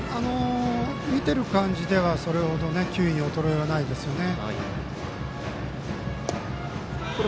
見てる感じではそれほど球威に衰えはないですね。